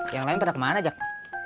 yang lain pada kemana jack